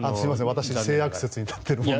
私は性悪説に立っているので。